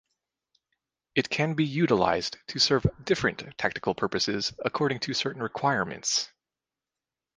It can be utilized to serve different tactical purposes according to certain requirements.